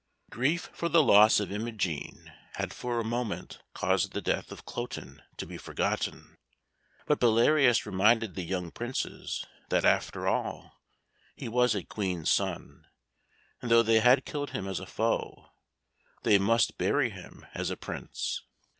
Grief for the loss of Imogen had for a moment caused the death of Cloten to be forgotten; but Belarius reminded the young Princes that, after all, he was a Queen's son, and though they had killed him as a foe, they must bury him as a Prince.